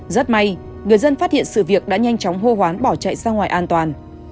rất may người dân phát hiện sự việc đã nhanh chóng hô hoán bỏ chạy ra ngoài an toàn